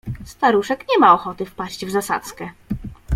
"Staruszek nie ma ochoty wpaść w zasadzkę."